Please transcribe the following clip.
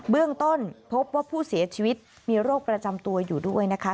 เบื้องต้นพบว่าผู้เสียชีวิตมีโรคประจำตัวอยู่ด้วยนะคะ